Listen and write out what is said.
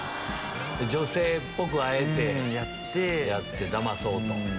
女性っぽくあえてやってだまそうと。